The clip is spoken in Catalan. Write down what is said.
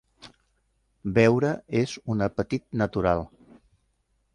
Beure és un apetit natural.